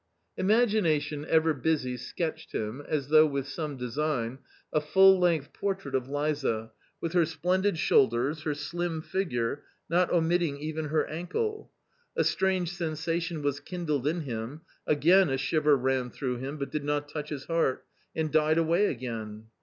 Imagination, ever busy, sketched him, as though with some design, a full length portrait of Liza, with her splendid shoulders, her slim figure, not omitting even her ankle. A strange sensation was kindled in him, again a shiver ran through him, but did not touch his heart, and died away again.